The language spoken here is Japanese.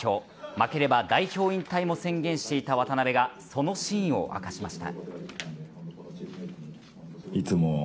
負ければ代表引退も宣言していた渡邊がその真意を明かしました。